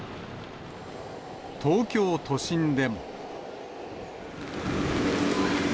東京都心でも。